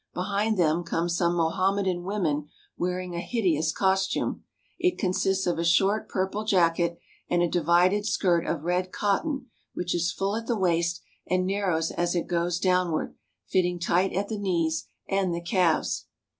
Behind them come some Mohammedan women wearing a hideous costume. It consists of a short purple jacket and a divided skirt of red cotton which is full at the waist and narrows as it goes downward, fitting tight at the knees and the calves.